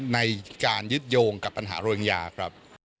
ในการยึดโยงกับปัญหาโรงยาครับ